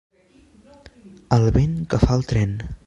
El vent que fa el tren.